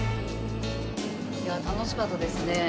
いやあ楽しかったですね。